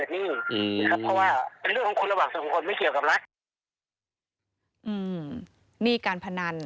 หนี้การพนัน